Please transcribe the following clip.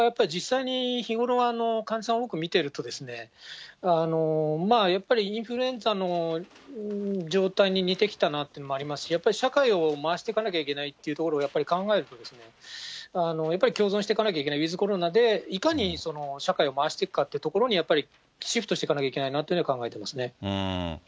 実際に日頃、患者さん多く見てるとですね、やっぱりインフルエンザの状態に似てきたなというのはありますし、やっぱり社会を回していかなきゃいけないっていうところを、やっぱり考えるとですね、やっぱり共存していかなければいけない、ウィズコロナでいかに社会をまわしていくかというところに、やっぱりシフトしていかなきゃいけないなというのは、考えてます